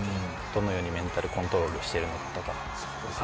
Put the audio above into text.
どのようにメンタルコントロールしているのかとか。